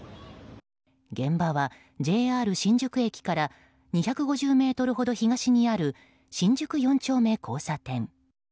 現場はＪＲ新宿駅から２５０ｍほど東にある新宿４丁目交差点。